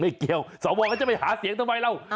ไม่เกี่ยวสวก็จะไปหาเสียงทำไมแล้ว